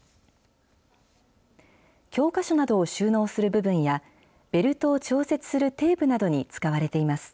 教科書などを収納する部分や、ベルトを調節するテープなどに使われています。